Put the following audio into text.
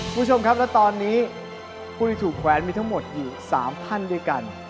คุณผู้ชมครับและตอนนี้ผู้ที่ถูกแขวนมีทั้งหมดอยู่๓ท่านด้วยกัน